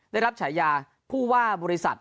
ได้รับฉายาผู้ว่าบริษัท